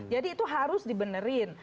jadi itu harus di benerin